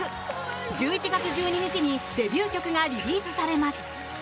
１１月１２日にデビュー曲がリリースされます。